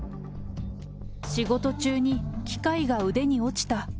仕事中に機械が腕に落ちた。